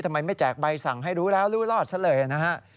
ทำไมไม่แจกใบสั่งให้รู้แล้วรู้รอดซะเลยนะฮะ